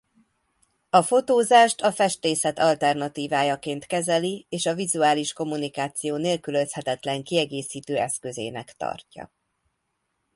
A fotózást a festészet alternatívájaként kezeli és a vizuális kommunikáció nélkülözhetetlen kiegészítő eszközének tartja.